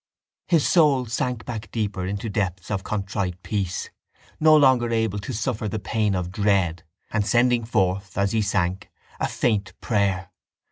His soul sank back deeper into depths of contrite peace, no longer able to suffer the pain of dread, and sending forth, as he sank, a faint prayer.